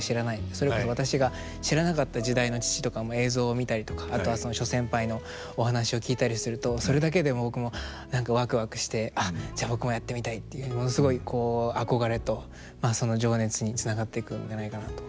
それこそ私が知らなかった時代の父とか映像を見たりとかあとは諸先輩のお話を聞いたりするとそれだけで僕も何かワクワクしてじゃあ僕もやってみたいっていうものすごい憧れとその情熱につながっていくんじゃないかなと。